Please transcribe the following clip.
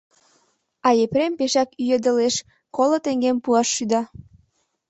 А Епрем пешак ӱедылеш, коло теҥгем пуаш шӱда.